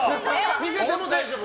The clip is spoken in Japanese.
見せて大丈夫？